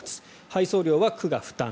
配送料は区が負担。